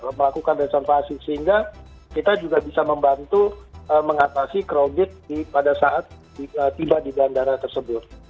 melakukan reservasi sehingga kita juga bisa membantu mengatasi crowded pada saat tiba di bandara tersebut